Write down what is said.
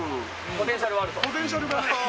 ポテンシャルが。